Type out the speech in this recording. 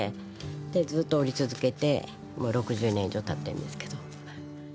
でずっと織り続けてもう６０年以上たってんですけど。